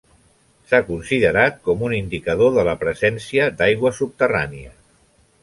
S'ha considerat com un indicador de la presència d'aigua subterrània.